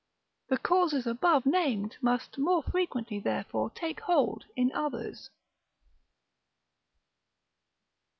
The causes above named must more frequently therefore take hold in others.